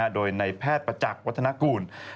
โดยนายแพทย์ประจักรวัฒนะกูล